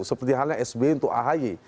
seperti halnya sby untuk ahy